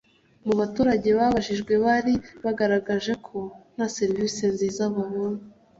mu baturage babajijwe, hari bagaragaje ko nta serivisi nziza babona